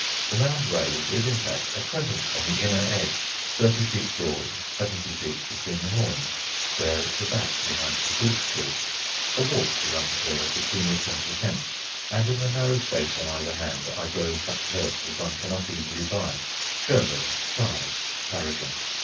The mound raised is, in fact, a crescent on the inner edge, thirty feet broad, seventy feet between the horns, square at the back behind the fruit trees; a walk runs there, between it and the fence, and in the narrow space on either hand I grow such herbs as one cannot easily buy chervil, chives, tarragon.